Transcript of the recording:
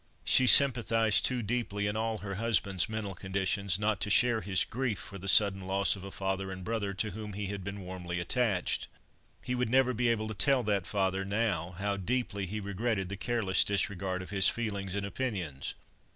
She sympathised too deeply in all her husband's mental conditions, not to share his grief for the sudden loss of a father and brother to whom he had been warmly attached. He would never be able to tell that father now how deeply he regretted the careless disregard of his feelings and opinions.